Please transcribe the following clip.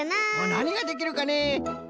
なにができるかねえ？